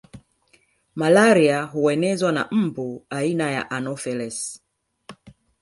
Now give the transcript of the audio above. Malaria huenezwa na mbu aina ya Anofelesi